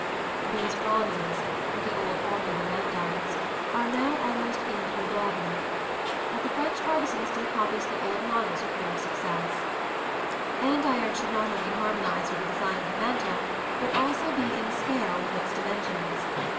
These bronzes, and the old ormolu andirons, are now almost introuvables; but the French artisan still copies the old models with fair success (see Plates V and XXXVI). Andirons should not only harmonize with the design of the mantel but also be in scale with its dimensions.